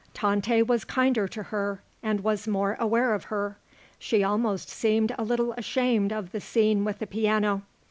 Tante was kinder to her and was more aware of her. She almost seemed a little ashamed of the scene with the piano.